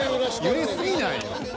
［揺れ過ぎなんよ］